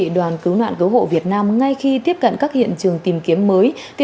đoàn cứu nạn cứu hộ việt nam ngay khi tiếp cận các hiện trường tìm kiếm mới